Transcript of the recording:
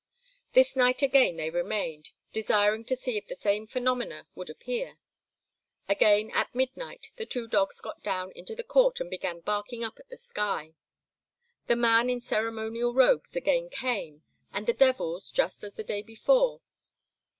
This night again they remained, desiring to see if the same phenomena would appear. Again at midnight the two dogs got down into the court and began barking up at the sky. The man in ceremonial robes again came, and the devils, just as the day before.